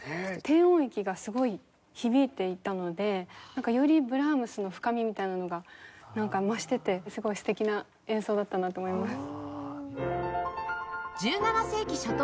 低音域がすごい響いていたのでなんかよりブラームスの深みみたいなのがなんか増しててすごい素敵な演奏だったなと思います。